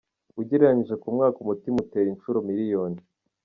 Ugereranyije ku mwaka umutima utera inshuro miliyoni .